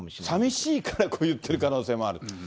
さみしいからこれ、言っている可能性がある。